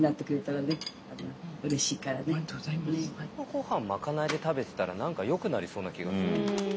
ごはん賄いで食べてたら何かよくなりそうな気がする。